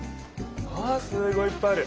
うわすごいいっぱいある。